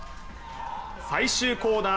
最終コーナー